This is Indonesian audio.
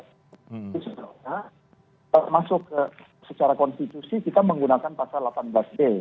itu sebenarnya termasuk secara konstitusi kita menggunakan pasal delapan belas d